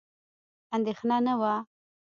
اندېښنه نه وه.